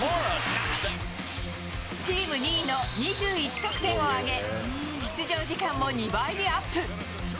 チーム２位の２１得点を挙げ、出場時間も２倍にアップ。